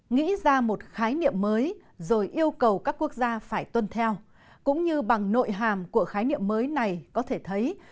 nghĩ ra một khái niệm mới rồi yêu cầu các quốc gia phải tuân theo cũng như bằng nội hàm của khái niệm mới này có thể thấy